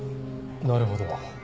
なるほど。